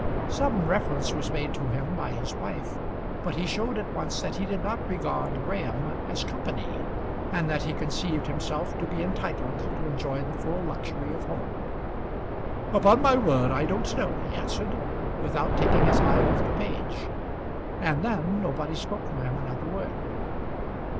Some reference was made to him by his wife, but he showed at once that he did not regard Graham as company, and that he conceived himself to be entitled to enjoy the full luxury of home. "Upon my word I don't know," he answered, without taking his eye off the page. And then nobody spoke to him another word.